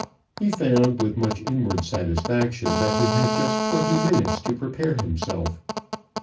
He found, with much inward satisfaction, that he had just twenty minutes to prepare himself.